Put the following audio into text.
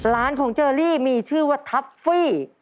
ร้านของเจอรี่มีชื่อว่าทัฟฟี่